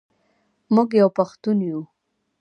موږ یو پښتون یو.